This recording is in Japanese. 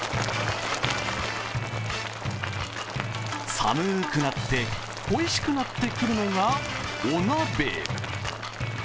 寒くなっておいしくなってくるのがお鍋。